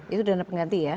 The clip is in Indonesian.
itu dana pengganti ya